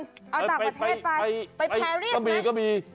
เอาต่างประเทศไปไปแพรริสไหมไปกะบีกะบี